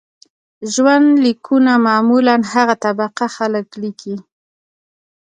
ژوند لیکونه معمولاً هغه طبقه خلک لیکي.